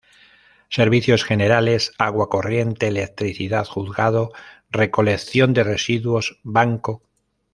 Servicios generales: agua corriente, electricidad, juzgado, recolección de residuos, banco.